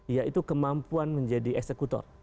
yaitu kemampuan menjadi eksekutor